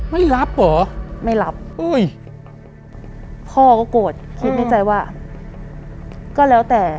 ไม่รับเหรอไม่รับอุ้ยพ่อก็โกรธคิดในใจว่าก็แล้วแต่